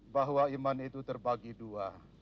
bahwa iman itu terbagi dua